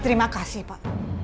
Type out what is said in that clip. terima kasih pak